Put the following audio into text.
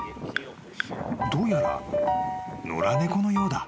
［どうやら野良猫のようだ］